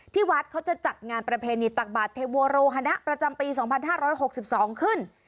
ที่วัดเขาจะจัดงานประเพณิตตักบาทเทวโวโรฮนะประจำปีสองพันห้าร้อยหกสิบสองขึ้น